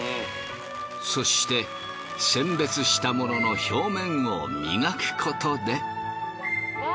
そして選別したものの表面を磨くことで。